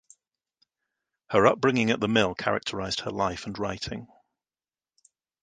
Her upbringing at the mill characterized her life and writing.